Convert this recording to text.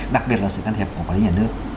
đặc biệt là sự can thiệp của quản lý nhà nước